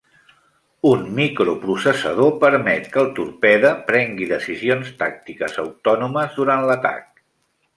Un microprocessador permet que el torpede prengui decisions tàctiques autònomes durant l'atac.